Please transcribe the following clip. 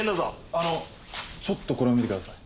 あのちょっとこれを見てください。